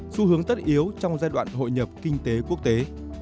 xu hướng tất yếu trong giai đoạn hội nhập kinh tế quốc tế